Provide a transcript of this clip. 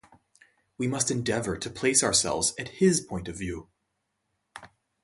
We must endeavor to place ourselves at his point of view.